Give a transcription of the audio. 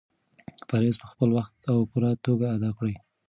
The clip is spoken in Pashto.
فرایض په خپل وخت او پوره توګه ادا کړه.